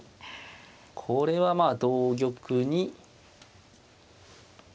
これはまあ同玉に。